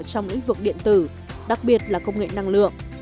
trong lĩnh vực điện tử đặc biệt là công nghệ năng lượng